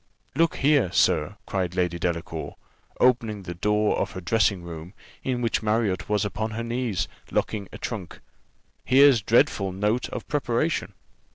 "Look here, sir," cried Lady Delacour, opening the door of her dressing room, in which Marriott was upon her knees, locking a trunk, "here's dreadful note of preparation."